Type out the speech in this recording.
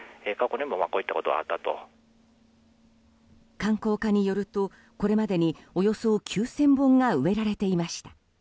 観光課によるとこれまでにおよそ９０００本が植えられていました。